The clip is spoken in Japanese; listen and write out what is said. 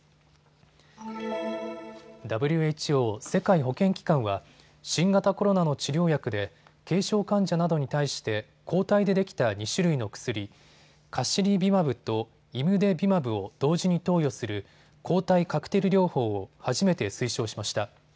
ＷＨＯ・世界保健機関は新型コロナの治療薬で軽症患者などに対して抗体でできた２種類の薬、カシリビマブとイムデビマブを同時に投与する抗体カクテル療法を初めて推奨しました。